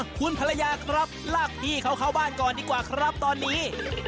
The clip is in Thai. คุณภรรยาครับลากพี่เขาเข้าบ้านก่อนดีกว่าครับตอนนี้